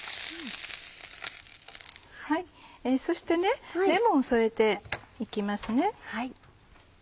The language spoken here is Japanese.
そしてレモンを添えて行きます。